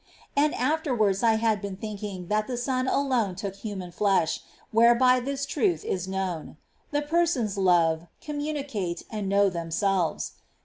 ^ And afterwards I have been thinking that the Son alone took human flesh, whereby this truth is known. The Persons love, communicate, and know Themselves.